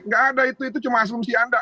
nggak ada itu itu cuma asumsi anda